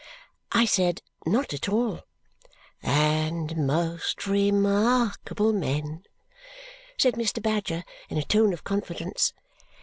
I said "Not at all!" "And most remarkable men!" said Mr. Badger in a tone of confidence.